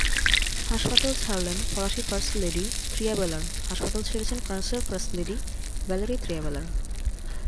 হাসপাতাল ছাড়লেন ফরাসি ফার্স্ট লেডি ত্রিয়াবেলারহাসপাতাল ছেড়েছেন ফ্রান্সের ফার্স্ট লেডি ভ্যালেরি ত্রিয়াবেলার।